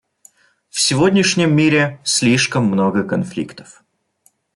В сегодняшнем мире слишком много конфликтов.